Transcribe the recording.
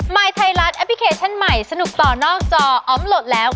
ยไทยรัฐแอปพลิเคชันใหม่สนุกต่อนอกจออมโหลดแล้ว